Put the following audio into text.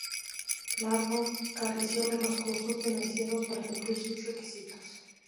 Largo careció de los recursos financieros para cumplir sus requisitos.